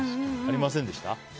ありませんでした？